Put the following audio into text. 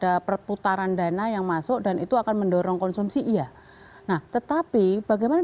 ada perputaran dana yang masuk dan itu akan mendorong konsumsi iya nah tetapi bagaimana